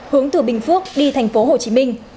hướng từ bình phước đi thành phố hồ chí minh